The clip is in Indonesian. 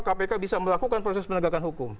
kpk bisa melakukan proses penegakan hukum